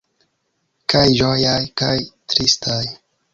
Kaj ĝojaj, kaj tristaj.